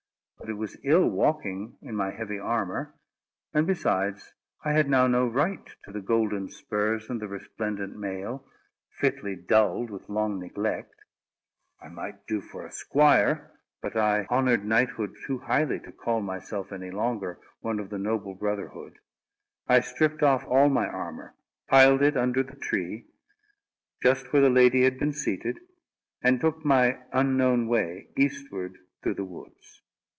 But it was ill walking in my heavy armour; and besides I had now no right to the golden spurs and the resplendent mail, fitly dulled with long neglect. I might do for a squire; but I honoured knighthood too highly, to call myself any longer one of the noble brotherhood. I stripped off all my armour, piled it under the tree, just where the lady had been seated, and took my unknown way, eastward through the woods.